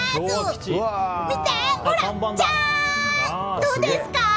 どうですか？